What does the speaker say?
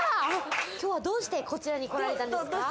きょうはどうしてこちらに来られたんですか？